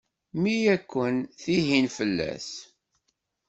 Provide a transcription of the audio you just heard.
Mi akken tihint fell-as.